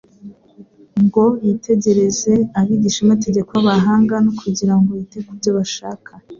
ngo yitegereze abigishamategeko b'abahanga no kugira ngo yite ku byo bashaka.